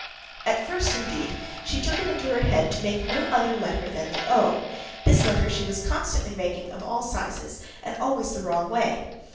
At first indeed, she took it into her head to make no other letter than the O: this letter she was constantly making of all sizes, and always the wrong way.